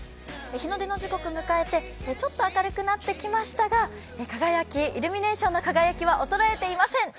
日の出の時刻迎えて、ちょっと明るくなってきましたがイルミネーションの輝きは衰えていません。